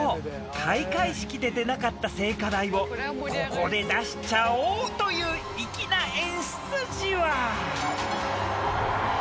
開会式で出なかった聖火台をここで出しちゃおうという粋な演出じわ。